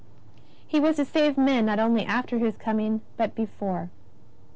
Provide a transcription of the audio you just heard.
He was to save men not only after His Coming but before.